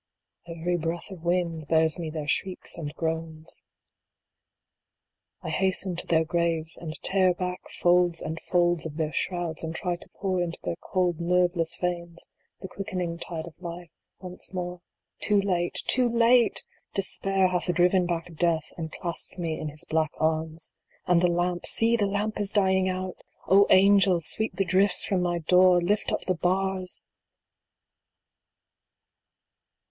Every breath of wind bears me their shrieks and groans. I hasten to their graves, and tear back folds and folds 70 DRIFTS THAT BAR MY DOOR. of their shrouds, and try to pour into their cold, nerveless veins the quickening tide of life once more. Too late too late ! Despair hath driven back Death, and clasps me in his black arms. And the lamp ! See, the lamp is dying out ! angels ! sweep the drifts from my door ! lift up the bars